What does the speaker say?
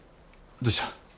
どうした？